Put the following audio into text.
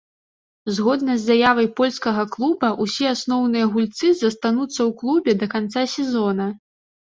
Згодна з заявай польскага клуба, усе асноўныя гульцы застануцца ў клубе да канца сезона.